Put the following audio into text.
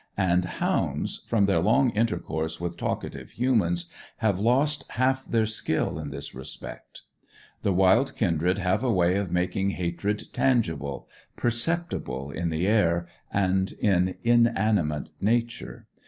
And hounds, from their long intercourse with talkative humans, have lost half their skill in this respect. The wild kindred have a way of making hatred tangible, perceptible in the air, and in inanimate nature.